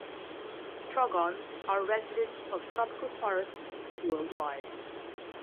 Trogons are residents of tropical forests worldwide.